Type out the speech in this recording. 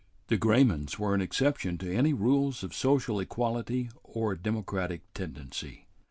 The Graymans were an exception to any rules of social equality or democratic tendency.